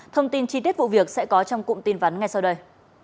thông tin chi tiết vụ việc sẽ có trong cụm tin vắn ngay sau đây